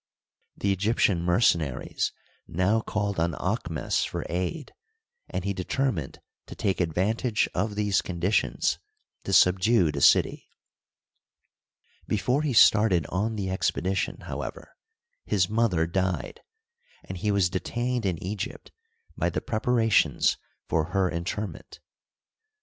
The Egyptian mercenaries now called on Aahmes for aid, and he determined to take advantage of these conditions to subdue the city. Before he started on the expedition, however, his mother died, and he was detained in Egypt by the preparations for her interment.